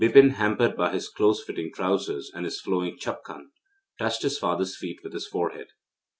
Bipin, hampered by his close fitting trousers and his flowing chapkan, touched his father's feet with his forehead.